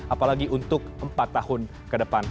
apalagi untuk empat tahun ke depan